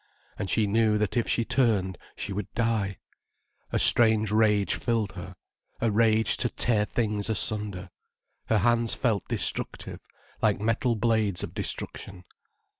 And she knew that if she turned, she would die. A strange rage filled her, a rage to tear things asunder. Her hands felt destructive, like metal blades of destruction.